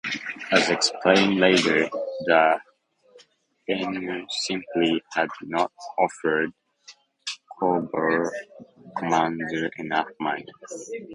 As explained later, the Emir simply had not offered Cobra Commander enough money.